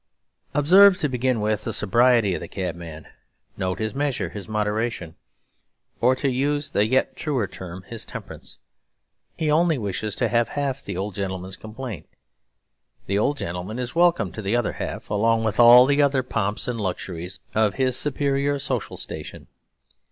Observe, to begin with, the sobriety of the cabman. Note his measure, his moderation; or to use the yet truer term, his temperance. He only wishes to have half the old gentleman's complaint. The old gentleman is welcome to the other half, along with all the other pomps and luxuries of his superior social station.